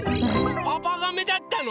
パパガメだったの？